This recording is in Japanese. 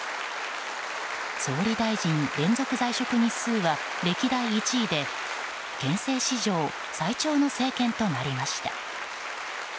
総理大臣連続在職日数は歴代１位で憲政史上最長の政権となりました。